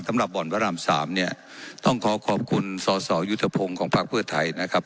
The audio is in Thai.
สำหรับบ่อนพระรามสามเนี้ยต้องขอขอบคุณส่อส่อยุธพงษ์ของพลักษณ์เพื่อไทยนะครับ